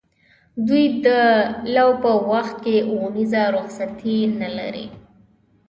دوی د لو په وخت کې اونیزه رخصتي نه لري.